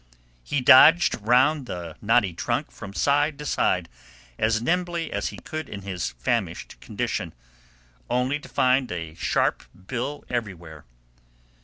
He dodged round the knotty trunk from side to side, as nimbly as he could in his famished condition, only to find a sharp bill everywhere.